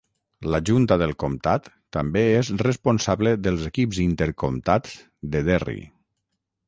La junta del comtat també és responsable dels equips inter-comtats de Derry.